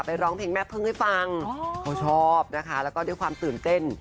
ร้องเพลงแม่พึ่งให้ฟังเขาชอบนะคะแล้วก็ด้วยความตื่นเต้น